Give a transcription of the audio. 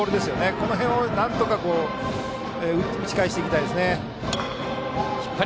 この辺を、なんとか打ち返していきたいですね。